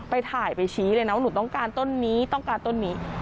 ไปถ่ายไปชี้เลยนะว่าหนูต้องการต้นนี้ต้องการต้นนี้